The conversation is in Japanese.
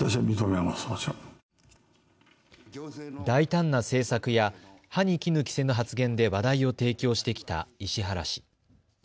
大胆な政策や歯にきぬ着せぬ発言で話題を提供してきた石原氏。